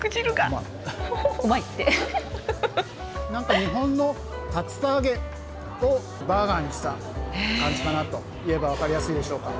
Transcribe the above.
日本の竜田揚げをバーガーにした感じかなと言えば分かりやすいでしょうか。